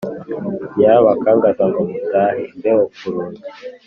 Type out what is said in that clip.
Nyirabakangaza ngo mutahe:Imbeho ku rugi